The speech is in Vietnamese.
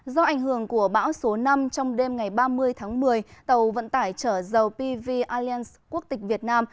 do ảnh hưởng của bão số năm trong đêm ngày ba mươi tháng một mươi tàu vận tải chở dầu pv allianz quốc tịch việt nam